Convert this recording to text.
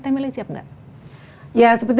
teh meli siap nggak ya seperti